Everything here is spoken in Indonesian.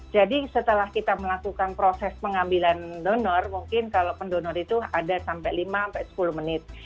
jadi setelah kita melakukan proses pengambilan donor mungkin kalau pendonor itu ada sampai lima sepuluh menit